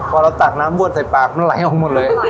พอเราตะน้ำบวชใส่ปากมันไฬออกมาเลย